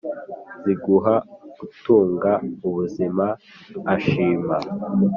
ziguha gutunga ubuzima ashima